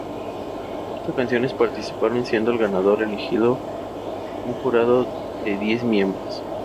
Ocho canciones participaron, siendo el ganador elegido por un jurado de diez miembros.